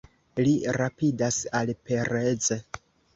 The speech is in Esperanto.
Li rapidas al Perez.